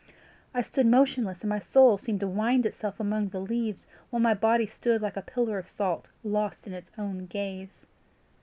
I stood motionless, and my soul seemed to wind itself among the leaves, while my body stood like a pillar of salt, lost in its own gaze.